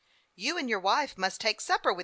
"^. ou and your wife must take supper with me."